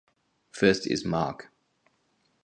First is Mark.